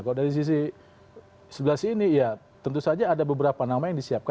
kalau dari sisi sebelah sini ya tentu saja ada beberapa nama yang disiapkan